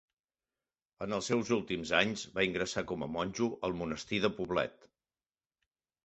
En els seus últims anys, va ingressar com a monjo al Monestir de Poblet.